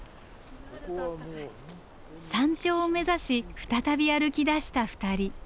山頂を目指し再び歩きだした２人。